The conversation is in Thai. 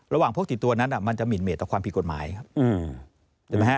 ระหว่างพวกติดตัวนั้นมันจะหมิ่นเมตต่อความผิดกฎหมายครับเห็นไหมฮะ